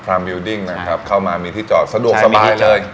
มิวดิ้งนะครับเข้ามามีที่จอดสะดวกสบายเลย